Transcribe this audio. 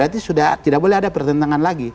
tidak boleh ada pertentangan lagi